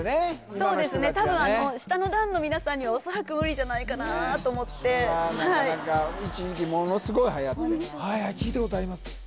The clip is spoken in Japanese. そうですね多分下の段の皆さんには恐らく無理じゃないかなと思ってこれはなかなか一時期ものすごいはやってはいはい聞いたことあります